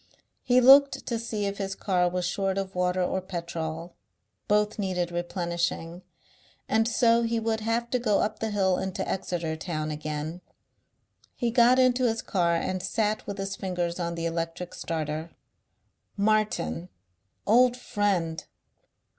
He looked to see if his car was short of water or petrol; both needed replenishing, and so he would have to go up the hill into Exeter town again. He got into his car and sat with his fingers on the electric starter. Martin! Old Friend!